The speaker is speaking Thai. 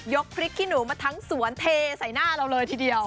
พริกขี้หนูมาทั้งสวนเทใส่หน้าเราเลยทีเดียว